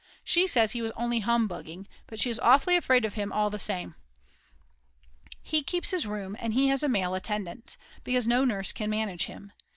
She says he was only humbugging, but she is awfully afraid of him all the same. He keeps his room, and he has a male attendant, because no nurse can manage him.